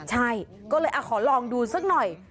ใช่ก็เลยขอลองดูสักหน่อย